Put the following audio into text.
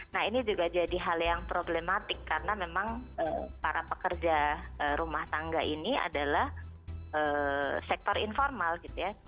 nah ini juga jadi hal yang problematik karena memang para pekerja rumah tangga ini adalah sektor informal gitu ya